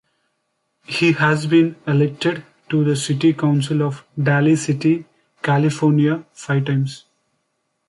He has been elected to the city council of Daly City, California five times.